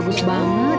bakerin macam yang anak